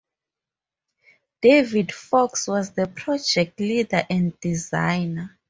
David Fox was the project leader and designer.